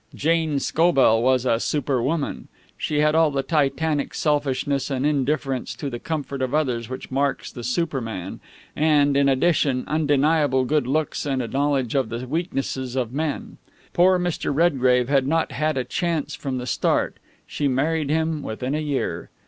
Jane Scobell was a superwoman. She had all the titanic selfishness and indifference to the comfort of others which marks the superman, and, in addition, undeniable good looks and a knowledge of the weaknesses of men. Poor Mr. Redgrave had not had a chance from the start. She married him within a year.